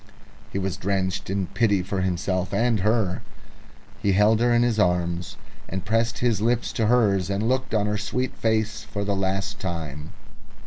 He was drenched in pity for himself and her. He held her in his arms, and pressed his lips to hers, and looked on her sweet face for the last time.